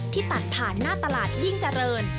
ตัดผ่านหน้าตลาดยิ่งเจริญ